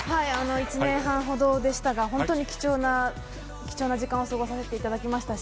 １年半ほどでしたが、本当に貴重な時間を過ごさせていただきましたし